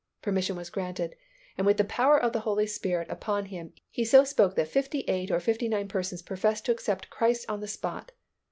Permission was granted, and with the power of the Holy Spirit upon him, he so spoke that fifty eight or fifty nine persons professed to accept Christ on the spot.